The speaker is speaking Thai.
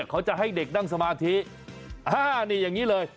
เขาจะให้เด็กนั่งสมาธิ๕นี่อย่างนี้เลย